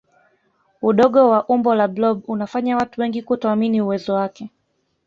udogo wa umbo la blob unafanya watu wengi kutoamini uwezo wake